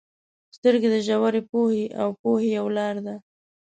• سترګې د ژورې پوهې او پوهې یو لار ده.